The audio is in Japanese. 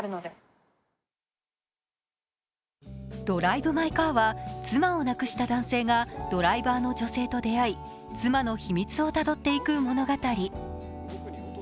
「ドライブ・マイ・カー」は妻を亡くした男性がドライバーの女性と出会い妻の秘密をたどっていく物語。